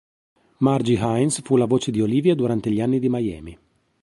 Margie Hines fu la voce di Olivia durante gli anni di Miami.